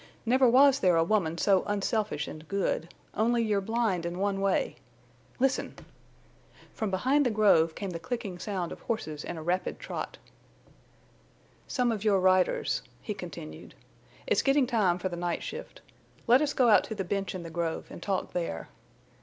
Never was there a woman so unselfish and good. Only you're blind in one way.... Listen!" From behind the grove came the clicking sound of horses in a rapid trot. "Some of your riders," he continued. "It's getting time for the night shift. Let us go out to the bench in the grove and talk there."